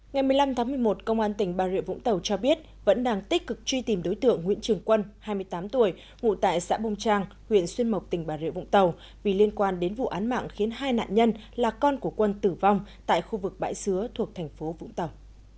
ngày một mươi năm tháng một mươi một công an tỉnh bà rịa vũng tàu cho biết vẫn đang tích cực truy tìm đối tượng nguyễn trường quân hai mươi tám tuổi ngụ tại xã bông trang huyện xuyên mộc tỉnh bà rịa vũng tàu vì liên quan đến vụ án mạng khiến hai nạn nhân là con của quân tử vong tại khu vực bãi xứa thuộc thành phố vũng tàu